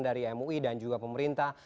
dari mui dan juga pemerintah